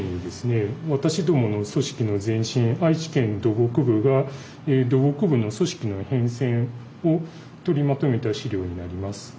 私どもの組織の前身愛知県土木部が土木部の組織の変遷を取りまとめた資料になります。